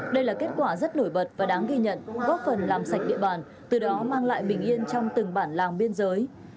đây là kết quả rất nổi bật và đáng ghi nhận góp phần làm sạch địa bàn từ đó mang lại bình yên trong từng bản làng biên giới